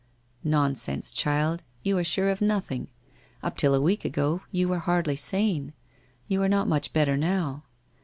' Nonsense, child, you are sure of nothing. Up till a week ago, you were hardly sane. You are not much better now.